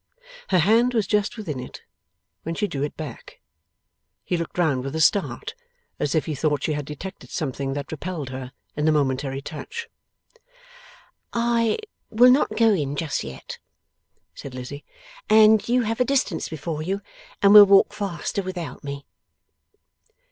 Her hand was just within it, when she drew it back. He looked round with a start, as if he thought she had detected something that repelled her, in the momentary touch. 'I will not go in just yet,' said Lizzie. 'And you have a distance before you, and will walk faster without me.